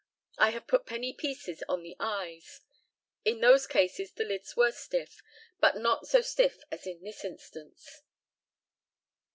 I have put penny pieces on the eyes. In those cases the lids were stiff, but not so stiff as in this instance.